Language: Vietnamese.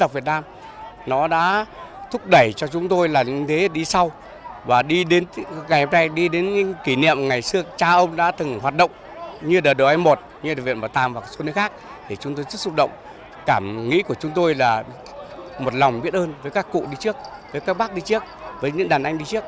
với các cụ đi trước với các bác đi trước với những đàn anh đi trước